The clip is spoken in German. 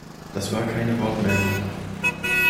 Das war keine Wortmeldung.